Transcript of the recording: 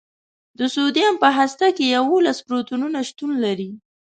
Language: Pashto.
د سوډیم په هسته کې یوولس پروتونونه شتون لري.